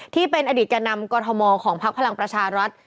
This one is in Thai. ที่เป็นอดีตแก่นำกรทมของพักพลังประชารัฐ